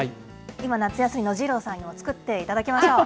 今、夏休みの二郎さんにも作っていただきましょう。